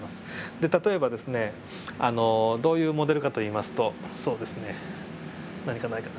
で例えばですねどういうモデルかといいますとそうですね何かないかな。